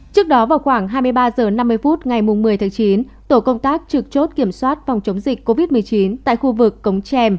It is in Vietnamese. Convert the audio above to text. trước đó vào khoảng hai mươi ba h năm mươi phút ngày một mươi tháng chín tổ công tác trực chốt kiểm soát phòng chống dịch covid một mươi chín tại khu vực cống trèm